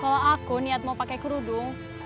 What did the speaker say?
kalau aku niat mau pakai kerudung